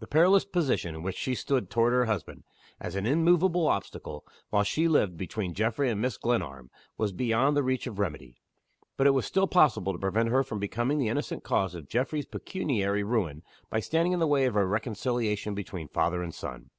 The perilous position in which she stood toward her husband as an immovable obstacle, while she lived, between Geoffrey and Mrs. Glenarm was beyond the reach of remedy. But it was still possible to prevent her from becoming the innocent cause of Geoffrey's pecuniary ruin, by standing in the way of a reconciliation between father and son.